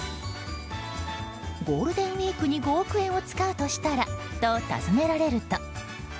ゴールデンウィークに５億円を使うとしたら？と尋ねられると。